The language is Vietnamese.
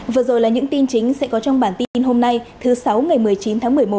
vừa rồi là những tin chính sẽ có trong bản tin hôm nay thứ sáu ngày một mươi chín tháng một mươi một